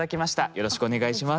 よろしくお願いします。